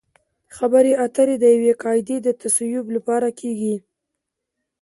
خبرې اترې د یوې قاعدې د تصویب لپاره کیږي